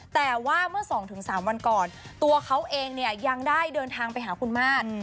แต่ว่าเมื่อ๒๓วันก่อนตัวเขาเองเนี่ยยังได้เดินทางไปหาคุณมาส